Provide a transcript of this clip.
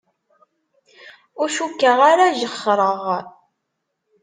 Ur cukkeɣ ara jexxreɣ.